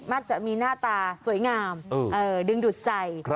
มักจะมีหน้าตาสวยงามดึงดูดใจ